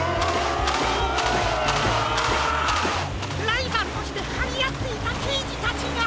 ライバルとしてはりあっていたけいじたちが！